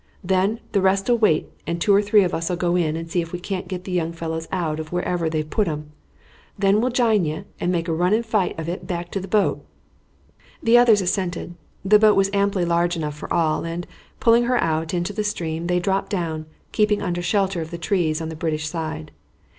Then the rest'll wait and two or three of us'll go in and see if we can't get the young fellows out of wherever they've put 'em. Then we'll jine you and make a running fight of it back to the boat." The others assented. The boat was amply large enough for all, and, pulling her out into the stream, they dropped down, keeping under shelter of the trees on the British side.